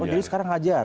oh jadi sekarang ngajar